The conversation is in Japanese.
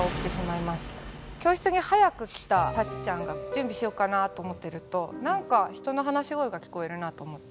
教室に早く来たサチちゃんが準備しようかなと思っていると何か人の話し声が聞こえるなと思って。